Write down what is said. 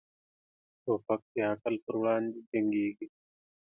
توپک د عقل پر وړاندې جنګيږي.